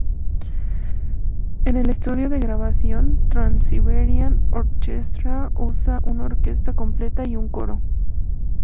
En el estudio de grabación, Trans-Siberian Orchestra usa una orquesta completa y un coro.